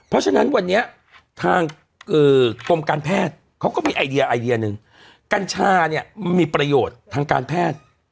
เพราะฉะนั้นวันนี้ทางกรมการแพทย์เขาก็มีไอเดียไอเดียหนึ่งกัญชาเนี่ยมันมีประโยชน์ทางการแพทย์